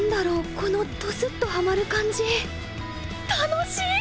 このトスッとハマる感じ楽しい！